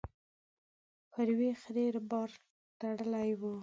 پر يوې خرې بار تړلی و.